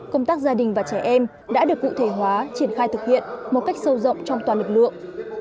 công tác gia đình và trẻ em đã được cụ thể hóa triển khai thực hiện một cách sâu rộng trong toàn lực lượng